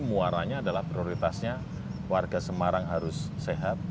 muaranya adalah prioritasnya warga semarang harus sehat